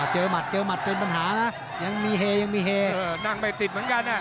เจอหมัดเป็นปัญหานะยังมีเฮนั่งไปติดเหมือนกัน